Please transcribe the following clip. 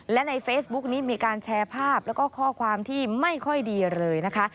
และในเฟซบุ๊กนี้มีการแชร์ภาพแล้วก็ข้อความที่ไม่ค่อยดีเลยนะคะ